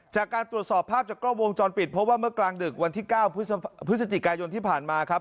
จากการตรวจสอบภาพจากกล้องวงจรปิดเพราะว่าเมื่อกลางดึกวันที่๙พฤศจิกายนที่ผ่านมาครับ